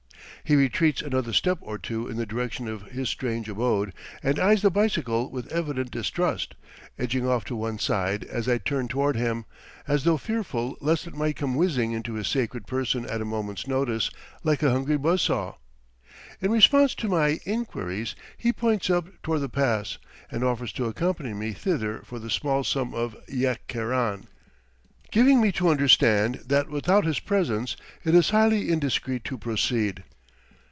He retreats another step or two in the direction of his strange abode, and eyes the bicycle with evident distrust, edging off to one side as I turn toward him, as though fearful lest it might come whizzing into his sacred person at a moment's notice like a hungry buzz saw. In response to my inquiries, he points up toward the pass and offers to accompany me thither for the small sum of "yek keran;" giving me to understand that without his presence it is highly indiscreet to proceed.